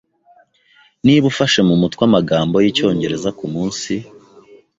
Niba ufashe mu mutwe amagambo yicyongereza kumunsi,